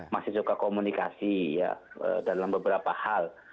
masih suka komunikasi ya dalam beberapa hal